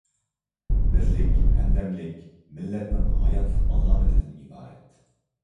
بىرلىك، ھەمدەملىك — مىللەتنىڭ ھاياتلىق ئالامىتىدىن ئىبارەت.